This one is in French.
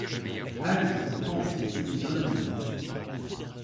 Ha je comprends, c'est une bonne raison.